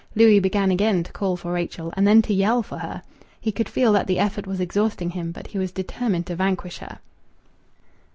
Louis began again to call for Rachel, and then to yell for her. He could feel that the effort was exhausting him, but he was determined to vanquish her.